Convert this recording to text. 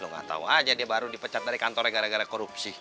lo tidak tahu saja dia baru dipecat dari kantornya gara gara korupsi